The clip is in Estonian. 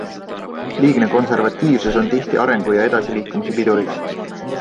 Liigne konservatiivsus on tihti arengu ja edasiliikumise piduriks.